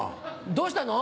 どうしたの？